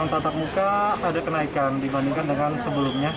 tatap muka ada kenaikan dibandingkan dengan sebelumnya